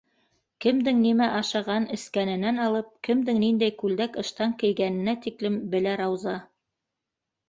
Кемдең нимә ашаған-эскәненән алып, кемдең ниндәй күлдәк-ыштан кейгәненә тиклем белә Рауза.